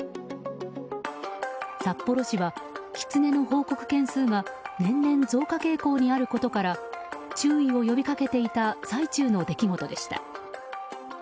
札幌市は、キツネの報告件数が年々増加傾向にあることから注意を呼び掛けていた最中の出来事でした。